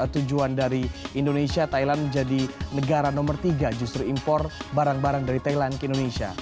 tujuan dari indonesia thailand menjadi negara nomor tiga justru impor barang barang dari thailand ke indonesia